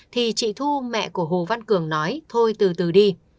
thì chị thu mẹ của hồ văn cường nói thôi từ từ đi